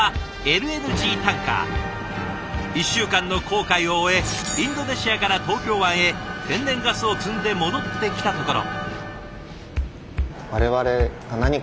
１週間の航海を終えインドネシアから東京湾へ天然ガスを積んで戻ってきたところ。